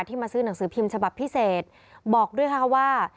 มาซื้อหนังสือพิมพ์ฉบับพิเศษบอกด้วยค่ะว่า